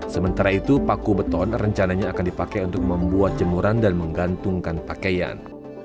sementara itu paku beton rencananya akan dipakai untuk membuat jemuran dan menggantungkan pakaian